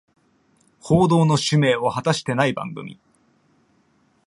報道の使命を果たしてない番組